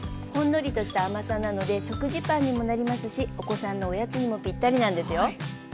ほんのりとした甘さなので食事パンにもなりますしお子さんのおやつにもぴったりなんですよ。